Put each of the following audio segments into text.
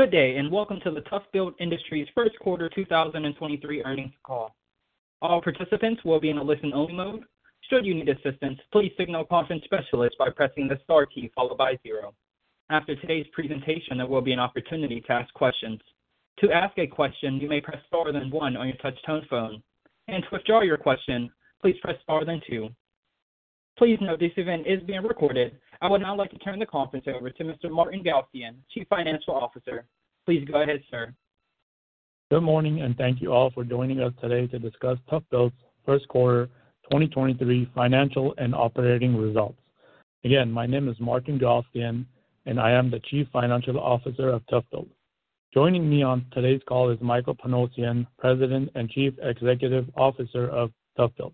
Good day. Welcome to the ToughBuilt Industries, Inc. Q1 2023 earnings call. All participants will be in a listen-only mode. Should you need assistance, please signal a conference specialist by pressing the star key followed by zero. After today's presentation, there will be an opportunity to ask questions. To ask a question, you may press star then One on your touch-tone phone. To withdraw your question, please press star then two. Please note this event is being recorded. I would now like to turn the conference over to Mr. Martin Galstyan, Chief Financial Officer. Please go ahead, sir. Good morning, thank you all for joining us today to discuss ToughBuilt's Q1 2023 financial and operating results. Again, my name is Martin Galstyan, and I am the Chief Financial Officer of ToughBuilt. Joining me on today's call is Michael Panosian, President and Chief Executive Officer of ToughBuilt.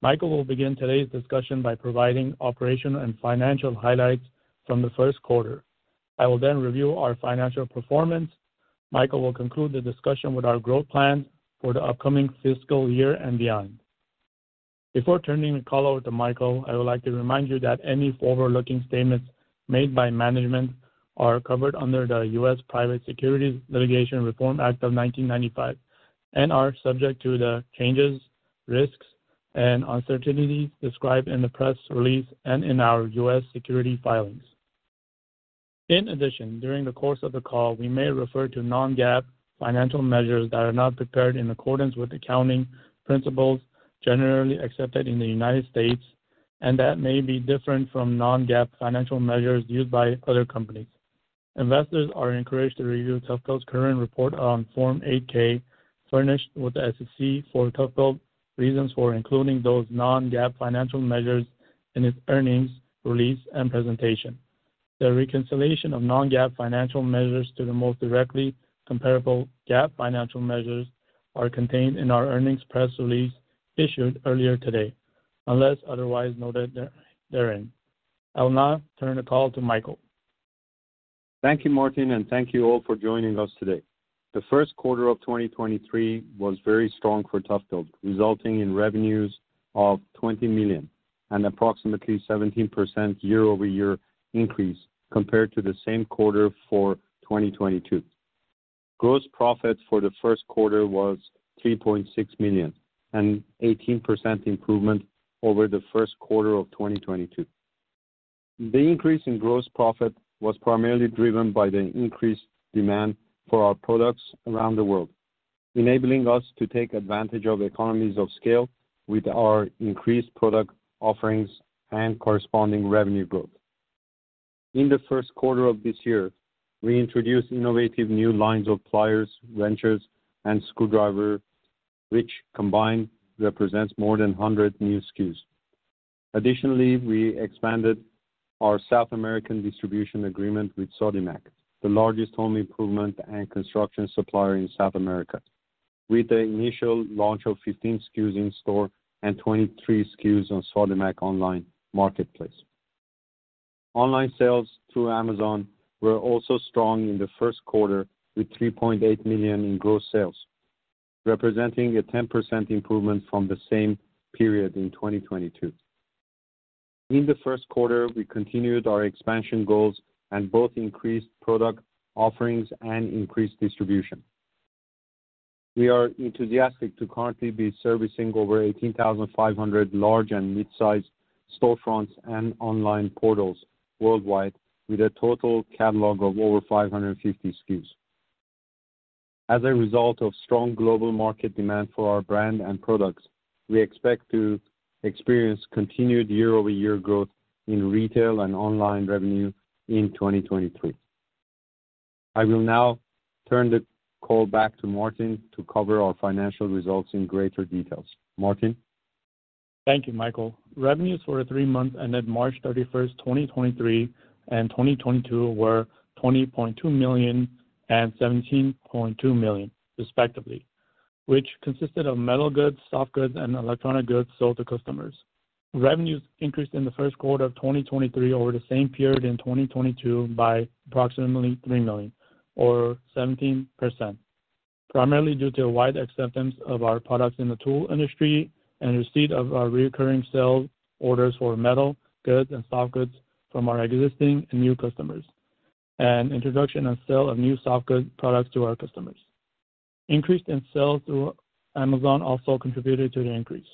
Michael will begin today's discussion by providing operational and financial highlights from the Q1. I will then review our financial performance. Michael will conclude the discussion with our growth plans for the upcoming fiscal year and beyond. Before turning the call over to Michael, I would like to remind you that any forward-looking statements made by management are covered under the Private Securities Litigation Reform Act of 1995 and are subject to the changes, risks, and uncertainties described in the press release and in our U.S. Securities filings. In addition, during the course of the call, we may refer to non-GAAP financial measures that are not prepared in accordance with accounting principles generally accepted in the United States, and that may be different from non-GAAP financial measures used by other companies. Investors are encouraged to review ToughBuilt's current report on Form eight-K, furnished with the SEC for ToughBuilt reasons for including those non-GAAP financial measures in its earnings release and presentation. The reconciliation of non-GAAP financial measures to the most directly comparable GAAP financial measures are contained in our earnings press release issued earlier today, unless otherwise noted therein. I'll now turn the call to Michael. Thank you, Martin, and thank you all for joining us today. The Q1 of 2023 was very strong for ToughBuilt, resulting in revenues of $20 million, an approximately 17% year-over-year increase compared to the same quarter for 2022. Gross profit for the Q1 was $3.6 million, an 18% improvement over the Q1 of 2022. The increase in gross profit was primarily driven by the increased demand for our products around the world, enabling us to take advantage of economies of scale with our increased product offerings and corresponding revenue growth. In the Q1 of this year, we introduced innovative new lines of pliers, wrenches, and screwdrivers, which combined represents more than 100 new SKUs. Additionally, we expanded our South American distribution agreement with Sodimac, the largest home improvement and construction supplier in South America, with the initial launch of 15 SKUs in store and 23 SKUs on Sodimac online marketplace. Online sales through Amazon were also strong in the Q1 with $3.8 million in gross sales, representing a 10% improvement from the same period in 2022. In the Q1 we continued our expansion goals and both increased product offerings and increased distribution. We are enthusiastic to currently be servicing over 18,500 large and midsize storefronts and online portals worldwide with a total catalog of over 550 SKUs. As a result of strong global market demand for our brand and products, we expect to experience continued year-over-year growth in retail and online revenue in 2023. I will now turn the call back to Martin to cover our financial results in greater details. Martin. Thank you, Michael. Revenues for the three months ended March thirty-first, 2023 and 2022 were $20.2 million and $17.2 million, respectively, which consisted of metal goods, soft goods, and electronic goods sold to customers. Revenues increased in the Q1 of 2023 over the same period in 2022 by approximately $3 million or 17%, primarily due to a wide acceptance of our products in the tool industry and receipt of our reoccurring sale orders for metal goods and soft goods from our existing and new customers and introduction and sale of new soft goods products to our customers. Increase in sales through Amazon also contributed to the increase.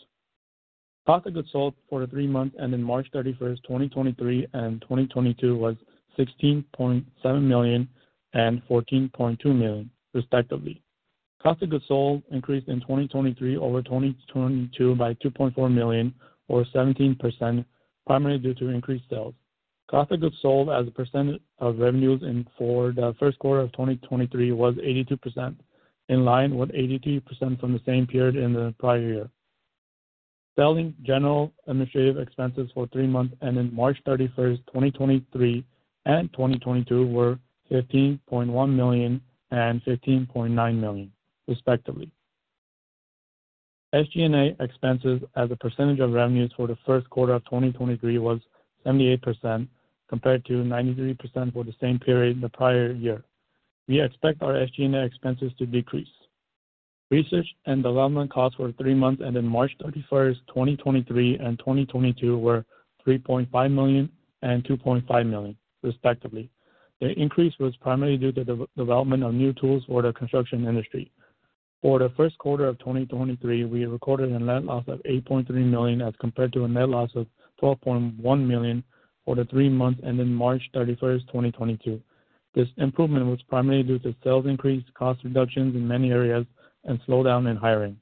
Cost of goods sold for the three months ending March thirty-first, 2023 and 2022 was $16.7 million and $14.2 million, respectively. Cost of goods sold increased in 2023 over 2022 by $2.4 million or 17%, primarily due to increased sales. Cost of goods sold as a percentage of revenues for the first quarter of 2023 was 82%, in line with 82% from the same period in the prior year. Selling general administrative expenses for three months ending March 31st, 2023 and 2022 were $15.1 million and $15.9 million, respectively. SG&A expenses as a percentage of revenues for the Q1 of 2023 was 78% compared to 93% for the same period in the prior year. We expect our SG&A expenses to decrease. Research and development costs for the three months ending March 31st, 2023 and 2022 were $3.5 million and $2.5 million, respectively. The increase was primarily due to development of new tools for the construction industry. For the Q1 of 2023, we recorded a net loss of $8.3 million, as compared to a net loss of $12.1 million for the three months ending March 31st, 2022. This improvement was primarily due to sales increase, cost reductions in many areas, and slowdown in hiring.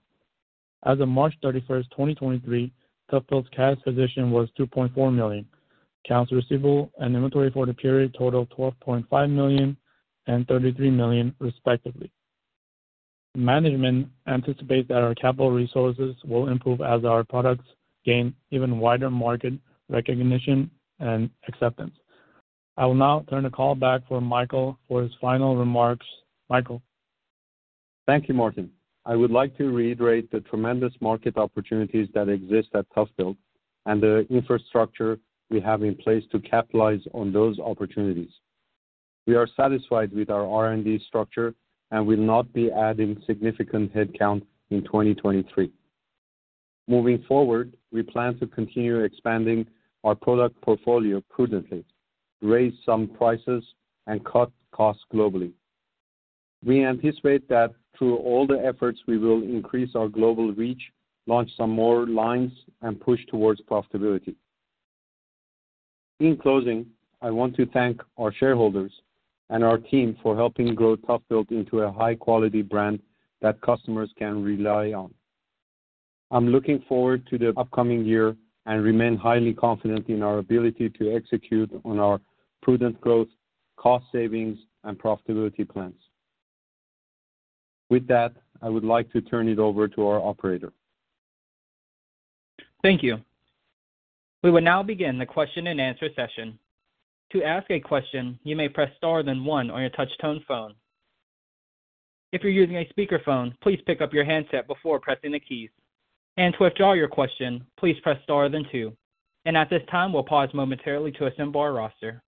As of March 31st, 2023, ToughBuilt's cash position was $2.4 million. Accounts receivable and inventory for the period totaled $12.5 million and $33 million, respectively. Management anticipates that our capital resources will improve as our products gain even wider market recognition and acceptance. I will now turn the call back for Michael for his final remarks. Michael? Thank you, Martin. I would like to reiterate the tremendous market opportunities that exist at ToughBuilt and the infrastructure we have in place to capitalize on those opportunities. We are satisfied with our R&D structure and will not be adding significant headcount in 2023. Moving forward, we plan to continue expanding our product portfolio prudently, raise some prices, and cut costs globally. We anticipate that through all the efforts, we will increase our global reach, launch some more lines, and push towards profitability. In closing, I want to thank our shareholders and our team for helping grow ToughBuilt into a high-quality brand that customers can rely on. I'm looking forward to the upcoming year and remain highly confident in our ability to execute on our prudent growth, cost savings, and profitability plans. With that, I would like to turn it over to our operator. Thank you. We will now begin the question-and-answer session. To ask a question, you may press star then one on your touch tone phone. If you're using a speakerphone, please pick up your handset before pressing the keys. To withdraw your question, please press star then two. At this time, we'll pause momentarily to assemble our roster.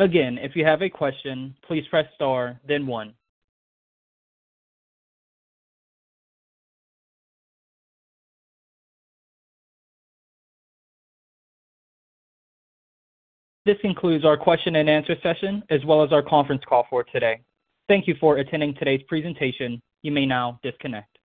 Again, if you have a question, please press star then one. This concludes our question-and-answer session, as well as our conference call for today. Thank you for attending today's presentation. You may now disconnect.